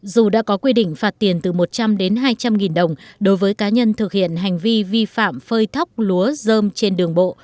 dù đã có quy định phạt tiền từ một trăm linh đến hai trăm linh nghìn đồng đối với cá nhân thực hiện hành vi vi phạm phơi thóc lúa dơm trên đường bộ